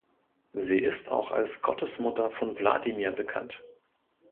Sie ist auch als Gottesmutter von Wladimir bekannt.